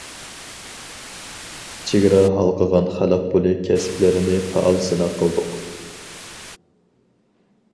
چېگرا ھالقىغان خەلق پۇلى كەسىپلىرىنى پائال سىناق قىلدۇق.